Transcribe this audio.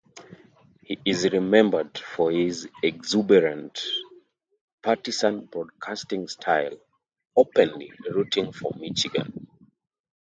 He is remembered for his exuberant, partisan broadcasting style, openly rooting for Michigan.